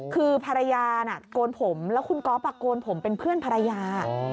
คือภรรยาน่ะโกนผมแล้วคุณก๊อฟโกนผมเป็นเพื่อนภรรยา